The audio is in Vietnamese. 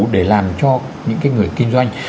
để làm cho những cái người kinh doanh